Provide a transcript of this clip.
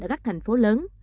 ở các thành phố lớn